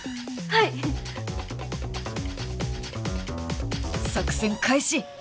はい作戦開始！